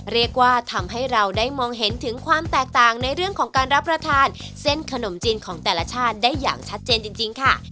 เรียกว่าทำให้เราได้มองเห็นถึงความแตกต่างในเรื่องของการรับประทานเส้นขนมจีนของแต่ละชาติได้อย่างชัดเจนจริงค่ะ